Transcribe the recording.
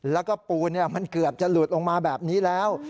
แล้วก็ปูนมันเกือบจะหลุดลงมาแบบนี้แล้ว